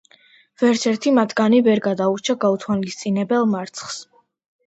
ვერცერთი მათგანი ვერ გადაურჩა გაუთვალისწინებელ მარცხს.